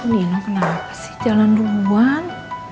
nina kenapa sih jalan duluan